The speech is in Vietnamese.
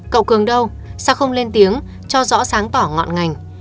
cậu cường đâu xa không lên tiếng cho rõ sáng tỏ ngọn ngành